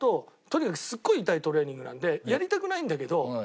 とにかくすごい痛いトレーニングなのでやりたくないんだけどじゃあ